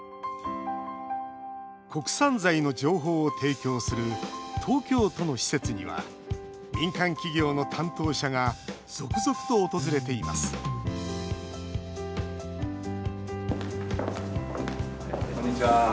国産材の情報を提供する東京都の施設には民間企業の担当者が続々と訪れていますこんにちは。